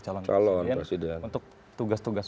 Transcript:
calon calon presiden untuk tugas tugas